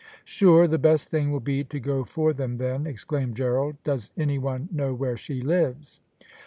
"Sure, the best thing will be to go for them, then," exclaimed Gerald. "Does any one know where she lives?"